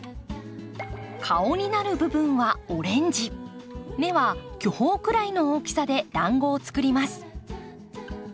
顔になる部分はオレンジ目は巨峰くらいの大きさでだんごを作ります。